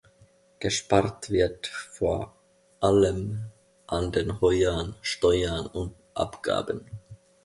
Gespart wird vor allem an den Heuern, Steuern und Abgaben.